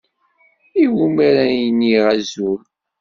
Iwumi ara iniɣ azul?